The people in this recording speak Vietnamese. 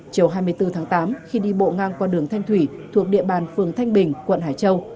chiều hai mươi bốn tháng tám khi đi bộ ngang qua đường thanh thủy thuộc địa bàn phường thanh bình quận hải châu